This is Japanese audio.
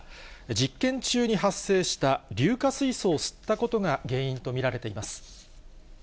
実験中に発生した硫化水素を吸ったことが原因と見られています。